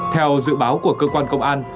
theo dự báo của cơ quan công an